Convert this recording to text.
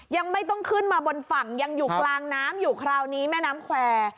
ยังไม่ต้องขึ้นมาบนฝั่งยังอยู่กลางน้ำอยู่คราวนี้แม่น้ำแควร์